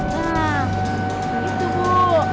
nah gitu bu